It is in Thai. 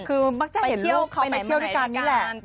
คือมักจะเห็นลูกเขาไปเที่ยวด้วยกันนี่แหละ